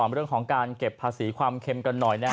เรื่องของการเก็บภาษีความเค็มกันหน่อยนะครับ